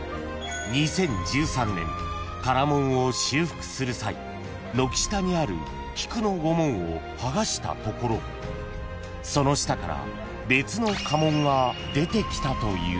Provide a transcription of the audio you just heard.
［２０１３年唐門を修復する際軒下にある菊の御紋を剥がしたところその下から別の家紋が出てきたという］